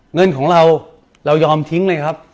เงินของเราเรายอมทิ้งเลยครับ